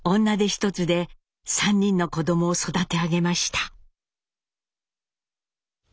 女手一つで３人の子どもを育て上げました。